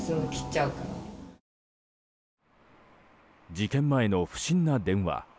事件前の不審な電話。